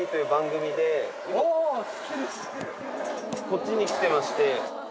こっちに来てまして。